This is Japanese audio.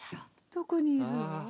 どこにいるの？